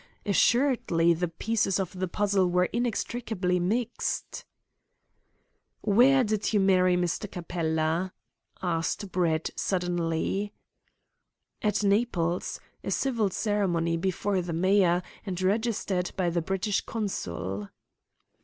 Assuredly the pieces of the puzzle were inextricably mixed. "Where did you marry Mr. Capella?" asked Brett suddenly. "At Naples a civil ceremony, before the Mayor, and registered by the British Consul."